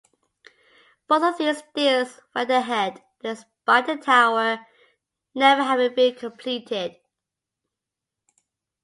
Both of these deals went ahead, despite the tower never having been completed.